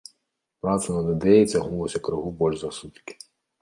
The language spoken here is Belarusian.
Праца над ідэяй цягнулася крыху больш за суткі.